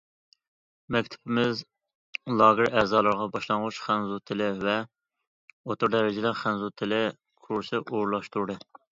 مەكتىپىمىز لاگېر ئەزالىرىغا باشلانغۇچ خەنزۇ تىلى ۋە ئوتتۇرا دەرىجىلىك خەنزۇ تىلى كۇرسى ئورۇنلاشتۇردى.